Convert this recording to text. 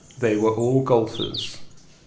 They were all golfers. T.